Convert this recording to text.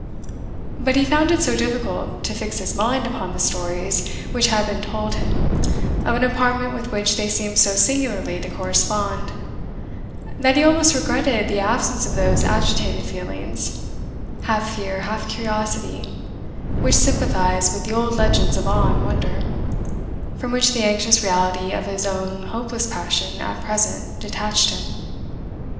But he found it so difficult to fix his mind upon the stories which had been told him of an apartment with which they seemed so singularly to correspond, that he almost regretted the absence of those agitated feelings, half fear half curiosity, which sympathise with the old legends of awe and wonder, from which the anxious reality of his own hopeless passion at present detached him.